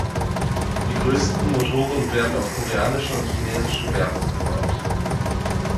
Die größten Motoren werden auf koreanischen und chinesischen Werften gebaut.